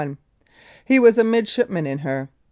He was a midshipman in her.